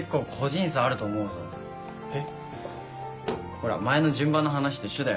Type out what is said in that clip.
ほら前の順番の話と一緒だよ。